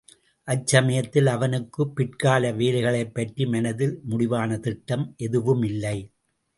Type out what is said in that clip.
அச்சமயத்தில் அவனுக்குப்பிற்கால வேலைகளைப்பற்றி மனதில் முடிவான திட்டம் எதுவுமில்லை.